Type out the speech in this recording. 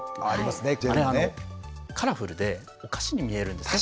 あれカラフルでお菓子に見えるんですね